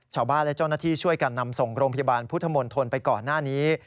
ชาวบ้านและเจ้าหน้าที่ช่วยกันนำส่งโรงพยาบาลพุทธมณฑลไปก่อนหน้านี้